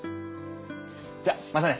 じゃまたね。